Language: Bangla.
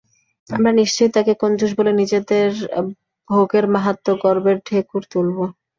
আমরা নিশ্চয়ই তাঁকে কঞ্জুস বলে নিজেদের ভোগের মাহাত্ম্যে গর্বের ঢেকুর তুলব।